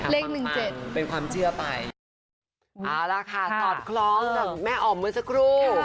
เลข๑๗เป็นความเชื่อไปค่ะสอบคล้องแม่อ่อมเหมือนสักครู่